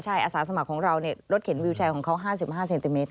ใช่อาสาสมัครของเรารถเข็นวิวแชร์ของเขา๕๕เซนติเมตร